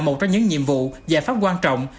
một trong những nhiệm vụ giải pháp quan trọng